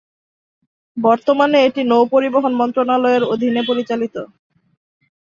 বর্তমানে এটি নৌ পরিবহন মন্ত্রণালয়ের অধীনে পরিচালিত।